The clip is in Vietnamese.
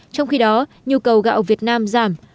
trong khi đó nhu cầu gạo việt nam giảm